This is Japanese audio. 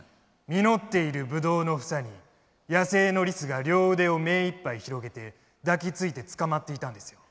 実っているブドウの房に野生のリスが両腕を目いっぱい広げて抱きついてつかまっていたんですよ。